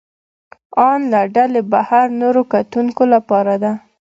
ان له ډلې بهر نورو کتونکو لپاره ده.